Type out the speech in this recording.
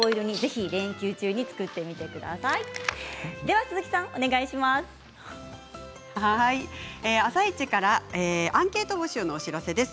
「あさイチ」からアンケート募集のお知らせです。